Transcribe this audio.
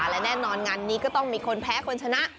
และแน่นอนงานนี้ก็ต้องมีคนแพ้คนชนะ